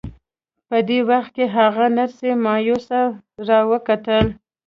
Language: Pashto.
په دې وخت کې هغې نرسې مایوسه را وکتل